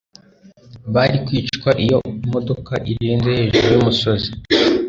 bari kwicwa iyo imodoka irenze hejuru yumusozi